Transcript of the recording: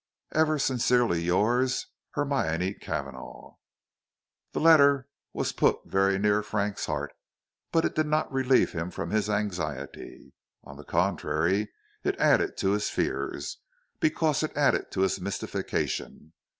Ever sincerely yours, HERMIONE CAVANAGH. This letter was put very near Frank's heart, but it did not relieve him from his anxiety. On the contrary, it added to his fears, because it added to his mystification.